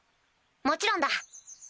もちろんだ。